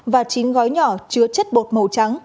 và chín gói nhỏ chứa chất bột màu trắng